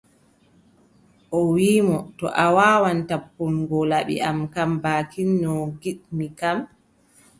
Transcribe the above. O wiʼi mo : to a waawan tappugo laɓi am baakin no ngiɗmin kam,